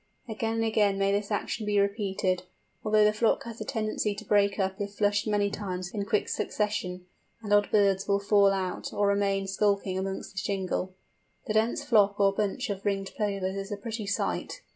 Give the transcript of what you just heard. Again and again may this action be repeated, although the flock has a tendency to break up if flushed many times in quick succession, and odd birds will fall out, or remain skulking amongst the shingle. A dense flock or bunch of Ringed Plovers is a pretty sight.